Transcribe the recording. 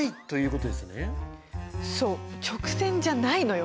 そう直線じゃないのよ。